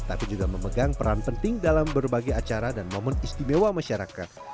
tapi juga memegang peran penting dalam berbagai acara dan momen istimewa masyarakat